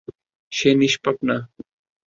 সে নিষ্পাপ না।